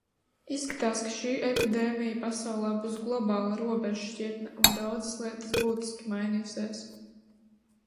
Izskatās, ka šī epidēmija pasaulē būs globāla robežšķirtne un daudzas lietas būtiski mainīsies.